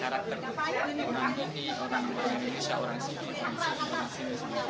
orang orang indonesia orang sini orang sini orang sini